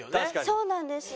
そうなんです。